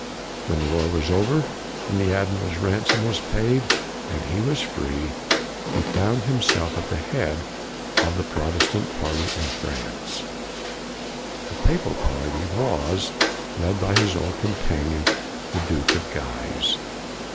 When the war was over, and the Admiral's ransom was paid, and he was free, he found himself at the head of the Protes tant party in France; the papal party was 154 COLIGNY led by his old companion, the Duke of Guise.